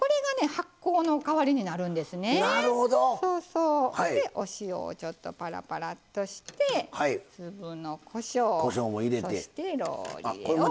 なるほど！でお塩をちょっとパラパラッとして粒のこしょうそしてローリエを。